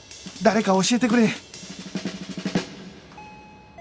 誰か教えてくれ！